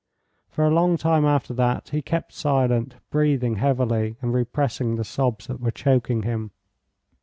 For a long time after that he kept silent, breathing heavily, and repressing the sobs that were choking him.